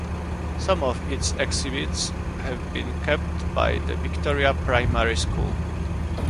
Some of its exhibits have been kept by the Victoria Primary School.